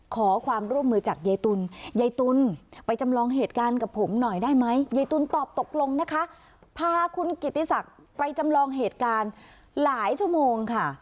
ขอความร่วมมือจากยายตุลยายตุลไปจำลองเหตุการณ์กับผมหน่อยได้ไหมยายตุ๋นตอบตกลงนะคะพาคุณกิติศักดิ์ไปจำลองเหตุการณ์หลายชั่วโมงค่ะ